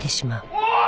「おい！